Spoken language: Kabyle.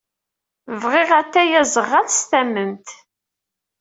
Bɣiɣ atay aẓeɣɣal s tamemt.